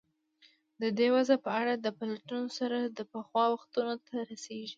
د دې وضع په اړه د پلټنو سر د پخوا وختونو ته رسېږي.